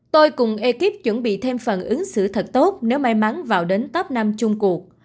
tôi cùng ekip chuẩn bị thêm phần ứng xử thật tốt nếu may mắn vào đến top năm chung cuộc